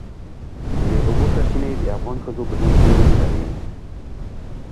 د اوبو سرچینې د افغان ښځو په ژوند کې رول لري.